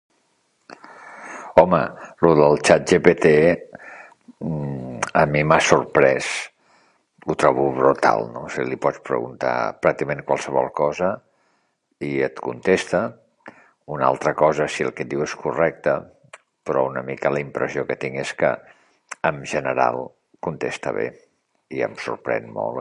Home, lo del ChatGPT a mi m'ha sorprès, ho trobo brutal, no?, o sigui, li pots preguntar pràcticament qualsevol cosa i et contesta, una altra cosa és si el què et diu és correcte, però una mica la impressió que tinc és que, en general, contesta bé i em sorprèn molt.